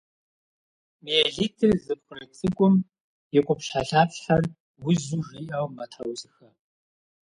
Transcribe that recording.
Миелитыр зыпкърыт цӏыкӏум и къупщхьэлъапщхьэр узу жиӏэу мэтхьэусыхэ.